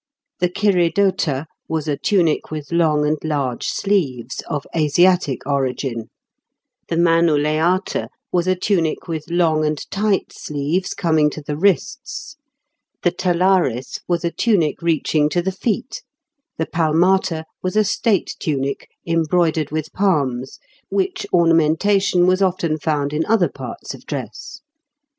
The chiridota was a tunic with long and large sleeves, of Asiatic origin; the manuleata was a tunic with long and tight sleeves coming to the wrists; the talaris was a tunic reaching to the feet; the palmata was a state tunic, embroidered with palms, which ornamentation was often found in other parts of dress.